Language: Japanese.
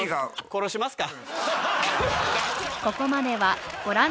殺しますか？